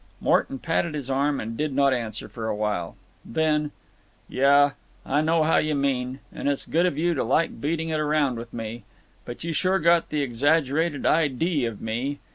Morton patted his arm and did not answer for a while. Then: "Yuh, I know how you mean. And it's good of you to like beating it around with me. But you sure got the exaggerated idee of me.